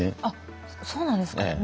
あっそうなんですか。